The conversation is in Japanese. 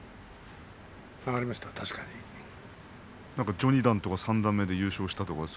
序二段とか三段目で優勝したとか。